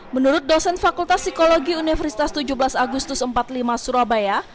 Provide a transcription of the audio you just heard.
menurut dosen fakultas psikologi universitas tujuh belas agustus empat puluh lima surabaya